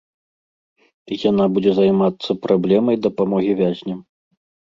Яна будзе займацца праблемай дапамогі вязням.